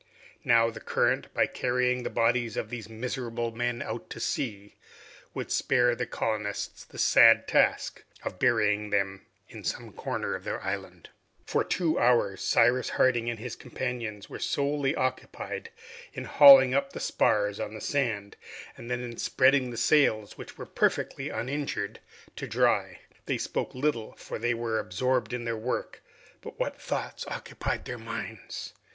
Now the current, by carrying the bodies of these miserable men out to sea, would spare the colonists the sad task of burying them in some corner of their island. For two hours, Cyrus Harding and his companions were solely occupied in hauling up the spars on to the sand, and then in spreading the sails which were perfectly uninjured, to dry. They spoke little, for they were absorbed in their work, but what thoughts occupied their minds!